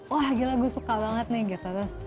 wah gila gue suka banget nih gitu